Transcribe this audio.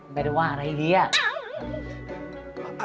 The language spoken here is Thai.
ไม่ได้ว่าอะไรเลยอ่ะ